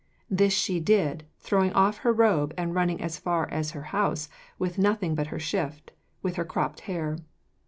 This she did, throwing off her robe, and running as far as her house in nothing but her shift, with her cropped hair.